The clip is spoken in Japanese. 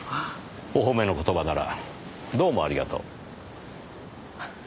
お褒めの言葉ならどうもありがとう。